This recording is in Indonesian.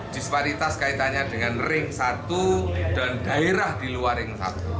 disparitas kaitannya dengan ring satu dan daerah di luar ring satu